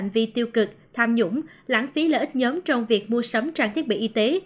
điều cực tham nhũng lãng phí lợi ích nhóm trong việc mua sắm trang thiết bị y tế